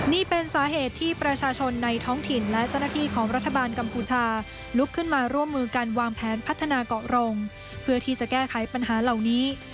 นี่เป็นสาเหตุที่ประชาชนในท้องถิ่นและเจ้าหน้าที่ของรัฐบาลกัมพูชาลุกขึ้นมาร่วมมือกันวางแผนพัฒนาเกาะรงเพื่อที่จะแก้ไขปัญหาเหล่านี้